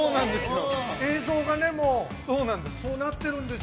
◆映像がもう、そうなってるんですよ。